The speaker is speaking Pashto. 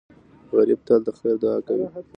غریب تل د خیر دعا کوي